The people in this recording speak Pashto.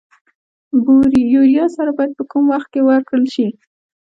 یوریا سره باید په کوم وخت کې ورکړل شي؟